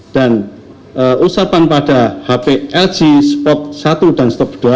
dan usapan pada hp lg spot satu dan stop dua